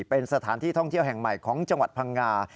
เป็นสถานที่ท่องเที่ยวแห่งใหม่ของจังหวัดพังงา